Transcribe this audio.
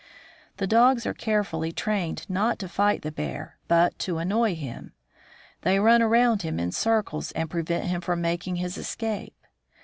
The dogs are carefully trained not to fight the bear, but to annoy him. They run around him in circles and prevent him from making his escape.